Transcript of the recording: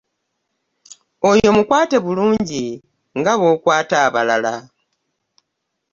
Oyo mukwate bulungi nga w'okwata abalala.